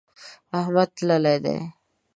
احمد تللی دی.